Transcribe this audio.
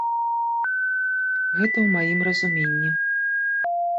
Гэта ў маім разуменні.